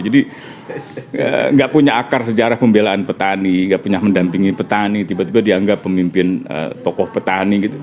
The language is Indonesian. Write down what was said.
jadi gak punya akar sejarah pembelaan petani gak punya mendampingi petani tiba tiba dianggap pemimpin tokoh petani gitu